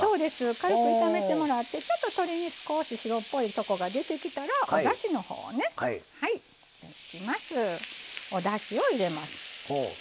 軽く炒めてもらってちょっと鶏肉白っぽいところが出てきたらおだしの方をねはいおだしを入れます。